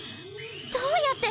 どうやって。